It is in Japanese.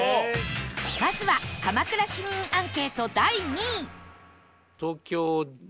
まずは鎌倉市民アンケート第２位